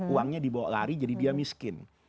uangnya dibawa lari jadi dia miskin